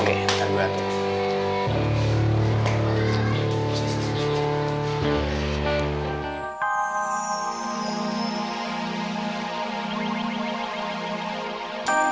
oke ntar gua atur